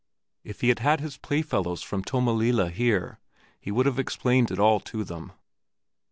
If he had had his playfellows from Tommelilla here, he would have explained it all to them.